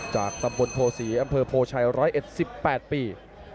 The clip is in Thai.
จากตำบลโภษีอำเภอโพชัย๑๑๑๘ปี